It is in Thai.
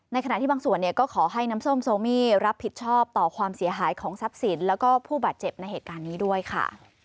ขณะที่บางส่วนเนี่ยก็ขอให้น้ำส้มโซมี่รับผิดชอบต่อความเสียหายของทรัพย์สินแล้วก็ผู้บาดเจ็บในเหตุการณ์นี้ด้วยค่ะ